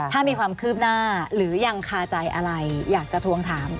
ถ้ามีความคืบหน้าหรือยังคาใจอะไรอยากจะทวงถาม